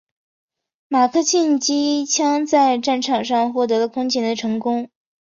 马克沁机枪在战场上获得了空前的成功。